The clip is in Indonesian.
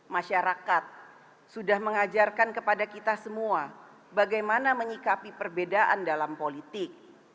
masyarakat sudah mengajarkan kepada kita semua bagaimana menyikapi perbedaan dalam politik